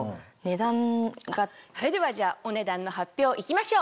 それではじゃあお値段の発表いきましょう。